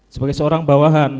sebagai seorang bawahan